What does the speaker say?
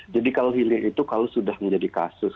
jadi kalau hilir itu kalau sudah menjadi kasus